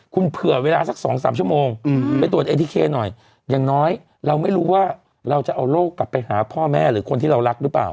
คุณเผื่อเวลาสัก๒๓ชั่วโมงไปตรวจเอทีเคหน่อยอย่างน้อยเราไม่รู้ว่าเราจะเอาโรคกลับไปหาพ่อแม่หรือคนที่เรารักหรือเปล่า